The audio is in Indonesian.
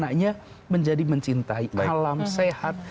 anaknya menjadi mencintai alam sehat